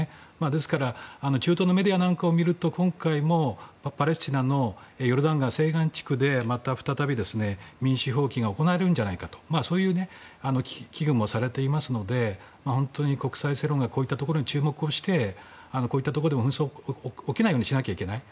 ですから中東のメディアなんかを見ると今回もパレスチナのヨルダン川西岸地区でまた再び民衆蜂起が行われるのではないかとそういう危惧もされていますので国際世論がこういったところに注目して紛争が起きないようにしないといけない。